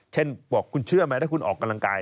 เช่นบอกคุณเชื่อไหมถ้าคุณออกกำลังกาย